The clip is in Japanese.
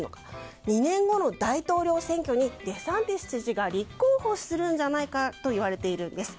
２年後の大統領選挙にデサンティス知事が立候補するんじゃないかといわれているんです。